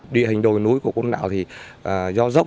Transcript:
địa hình đồi núi của côn đảo thì do dốc